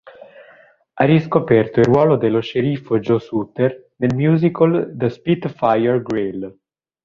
Ha ricoperto il ruolo dello sceriffo Joe Sutter nel musical "The Spitfire Grill".